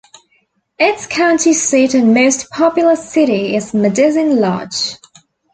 Its county seat and most populous city is Medicine Lodge.